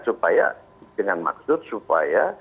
supaya dengan maksud supaya